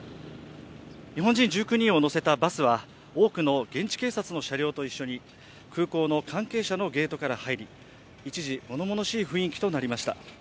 日本人１９人をのせたバスは多くの現地警察の車両と一緒に空港の関係者のゲートから入り、一時ものものしい雰囲気となりました。